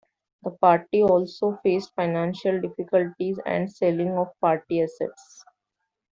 The party also faced financial difficulties and selling of party assets.